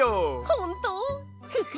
ほんとフフ！